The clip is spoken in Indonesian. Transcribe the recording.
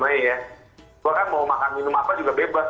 aja ya gua kan mau makan minum apa juga bebas